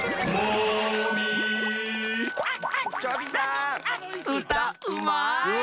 うたうまい！